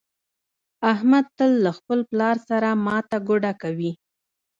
احمد تل له خپل پلار سره ماته ګوډه کوي.